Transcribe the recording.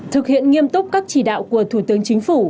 thực hiện nghiêm túc các chỉ đạo của thủ tướng chính phủ